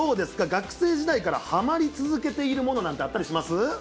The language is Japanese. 学生時代からはまり続けているものなんてあったりします？